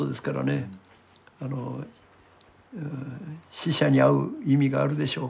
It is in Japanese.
死者に会う意味があるでしょう。